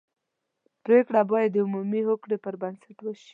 پرېکړه باید د عمومي هوکړې پر بنسټ وشي.